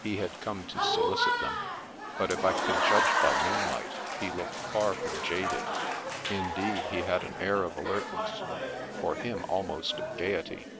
He had come to solicit them, but, if I could judge by moonlight, he looked far from jaded ; indeed, he had an air of alertness, for him almost of gaiety.